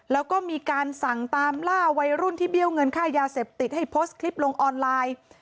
แล้วก็มีการสั่งตามล่าวัยรุ่นที่เบี้ยวเงินค่ายาเสพติดให้โพสต์คลิปลงออนไลน์